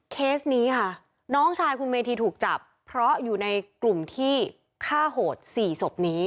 เคสนี้ค่ะน้องชายคุณเมธีถูกจับเพราะอยู่ในกลุ่มที่ฆ่าโหด๔ศพนี้